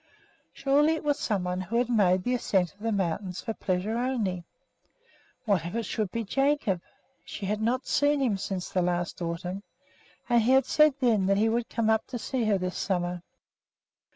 Surely it was some one who had made the ascent of the mountain for pleasure only. What if it should be Jacob! She had not seen him since the last autumn, and he had said then that he would come up to see her this summer.